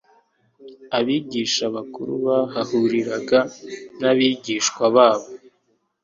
Abigisha bakuru bahahuriraga n'abigishwa babo.